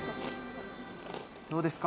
どうですか？